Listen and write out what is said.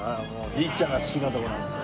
律ちゃんが好きなとこなんですよ。